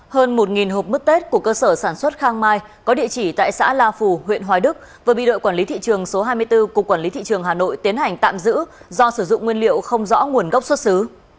hơn một hộp mứt tết của cơ sở sản xuất khang mai có địa chỉ tại xã la phù huyện hoài đức vừa bị đội quản lý thị trường số hai mươi bốn cục quản lý thị trường hà nội tiến hành tạm giữ do sử dụng nguyên liệu không rõ nguồn gốc xuất xứ